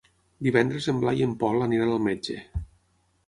Divendres en Blai i en Pol aniran al metge.